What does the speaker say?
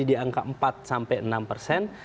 diangka empat sampai enam persen